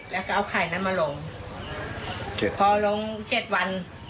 แล้วก็เอาไข่นั้นมาลงพอลงเจ็ดวัน